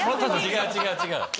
違う違う違う！